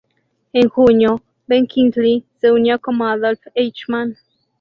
En junio, Ben Kingsley se unió como Adolf Eichmann.